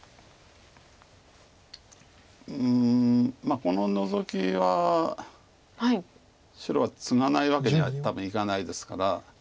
うんこのノゾキは白はツガないわけには多分いかないですから。